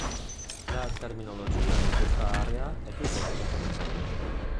La terminologia in questa area è piuttosto confusa.